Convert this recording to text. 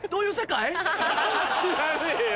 知らねえよ！